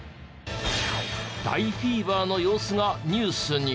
大フィーバーの様子がニュースに。